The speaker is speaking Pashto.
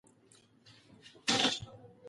هر وخت چې مسوولیت ومنل شي، پړه به زیاته نه شي.